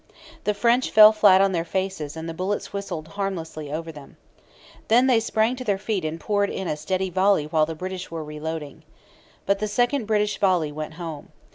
The French fell flat on their faces and the bullets whistled harmlessly over them. Then they sprang to their feet and poured in a steady volley while the British were reloading. But the second British volley went home.